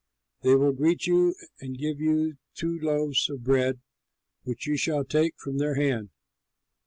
They will greet you and give you two loaves of bread which you shall take from their hand.